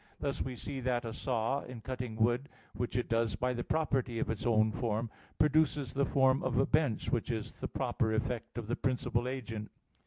Thus we see that a saw, in cutting wood, which it does by the property of its own form, produces the form of a bench, which is the proper effect of the principal agent.